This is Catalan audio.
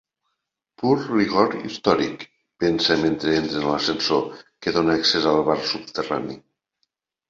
Pur rigor històric, pensa mentre entren a l'ascensor que dóna accés al bar subterrani.